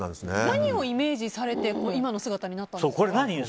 何をイメージされて今の姿になったんですか？